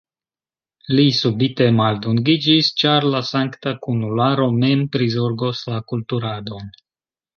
Li subite maldungiĝis, ĉar la sankta kunularo mem prizorgos la kulturadon.